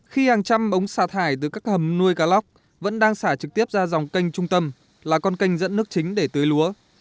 khi hàng trăm ống xả thải từ các hầm nuôi cá lóc vẫn đang xả trực tiếp ra dòng kênh trung tâm là con kênh dẫn nước chính để tưới lúa